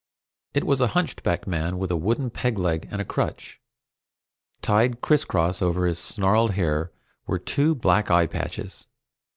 It was a hunchbacked man with a wooden peg leg and a crutch. Tied crisscross over his snarled hair were two black eye patches.